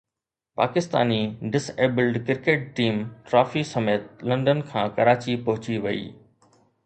Pakistani disabled cricket team trophy سميت London کان ڪراچي پهچي وئي